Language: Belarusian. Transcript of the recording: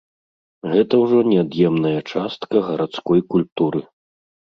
Гэта ўжо неад'емная частка гарадской культуры.